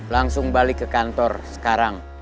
langsung balik ke kantor sekarang